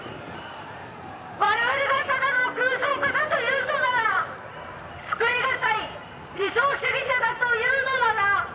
「我々がただの空想家だと言うのなら救いがたい理想主義者だと言うのなら」